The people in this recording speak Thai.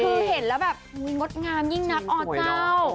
คือเห็นแล้วแบบงดงามยิ่งนักอเจ้า